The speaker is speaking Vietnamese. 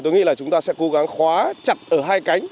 tôi nghĩ là chúng ta sẽ cố gắng khóa chặt ở hai cánh